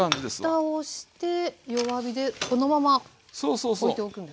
蓋をして弱火でこのままおいておくんですか？